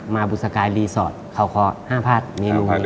บุษกายรีสอร์ทเขาขอห้ามพลาดเมนูนี้